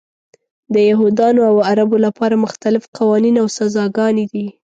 د یهودانو او عربو لپاره مختلف قوانین او سزاګانې دي.